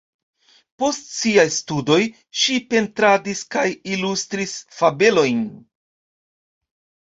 Post siaj studoj ŝi pentradis kaj ilustris fabelojn.